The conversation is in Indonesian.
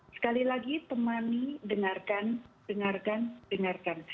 sekali lagi temani dengarkan dengarkan dengarkan